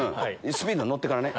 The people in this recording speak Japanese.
スピードに乗ってからね。